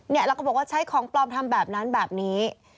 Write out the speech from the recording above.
แล้วก็บอกว่าใช้ของปลอมทำแบบนั้นแบบนี้